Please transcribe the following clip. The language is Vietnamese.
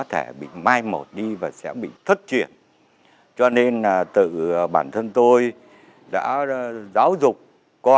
để mong mọi người luôn nhớ về hình ảnh và ý nghĩa của nó